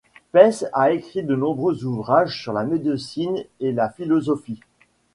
Pesce a écrit de nombreux ouvrages sur la médecine et la philosophie.